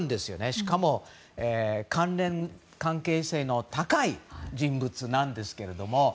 しかも関係性の高い人物なんですけど。